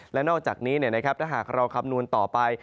และนอกจากนี้ถ้าหากเราคำนวณต่อไป